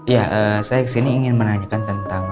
ya saya kesini ingin menanyakan tentang